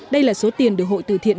đây là số tiền được hội từ thiện